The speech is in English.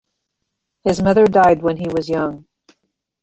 His mother died when he was young.